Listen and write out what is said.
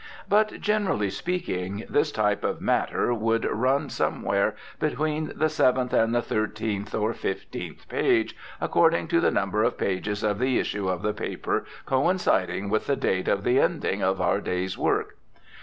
But, generally speaking, this type of matter would run somewhere between the seventh and the thirteenth or fifteenth page, according to the number of pages of the issue of the paper coinciding with the date of the ending of our day's work.